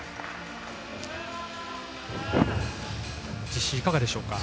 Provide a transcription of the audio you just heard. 実施、いかがでしょうか。